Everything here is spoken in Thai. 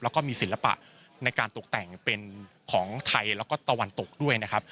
แล้วก็มีศิลปะในการตกแต่งเป็นของไทยแล้วก็ตะวันตกด้วยนะครับ